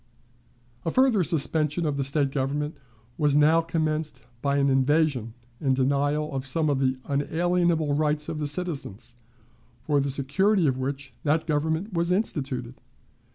A further subversion of the State government was now commenced by an invasion and denial of some of the unalienable rights of the citizens, for the security of which that government was instituted.